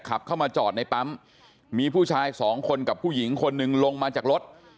ขับเข้ามาจอดในปั๊มมีผู้ชายสองคนกับผู้หญิงคนหนึ่งลงมาจากรถ